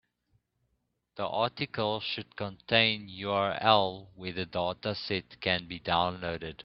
The article should contain URL where the dataset can be downloaded.